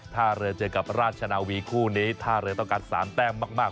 ท่าเรือเจอกับราชนาวีคู่นี้ท่าเรือต้องการ๓แต้มมาก